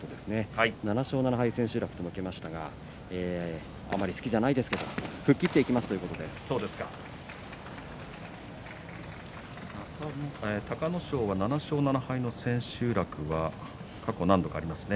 ７勝７敗、千秋楽ということであまり好きじゃないですけども吹っ切っていきますと隆の勝は７勝７敗の千秋楽は過去に何度かあります。